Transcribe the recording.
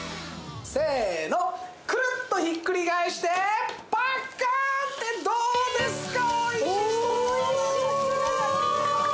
せーのクルッとひっくり返してパッカーンってどうですか？